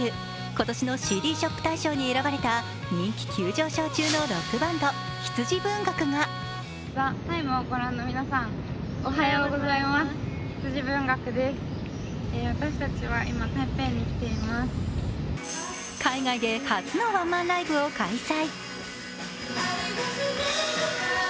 今年のＣＤショップ大賞に選ばれた人気急上昇中のロックバンド、羊文学が海外で初のワンマンライブを開催。